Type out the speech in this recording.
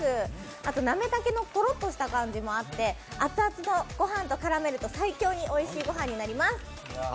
あとなめたけのとろっとした感じもあって熱々のご飯と絡めると最強においしいご飯になります。